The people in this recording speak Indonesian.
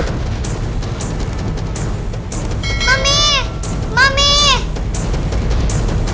hati hati belanda itu enggak ada